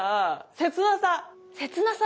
切なさ？